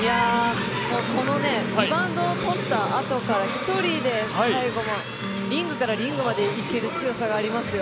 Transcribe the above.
リバウンドをとったあとから１人で最後もリングからリングまで行ける強さがありますよ